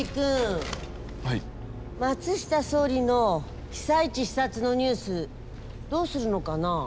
松下総理の被災地視察のニュースどうするのかな？